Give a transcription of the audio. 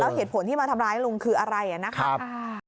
เหตุผลที่มาทำร้ายลุงคืออะไรนะครับ